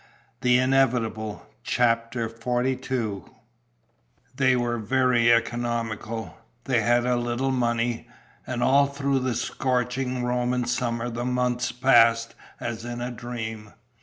And he set to work. CHAPTER XLII They were very economical; they had a little money; and all through the scorching Roman summer the months passed as in a dream.